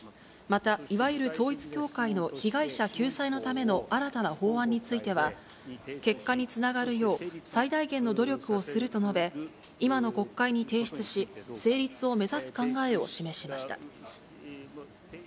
また、いわゆる統一教会の被害者救済のための新たな法案については、結果につながるよう最大限の努力をすると述べ、今の国会に提出し、成立を目指す考えを示しました。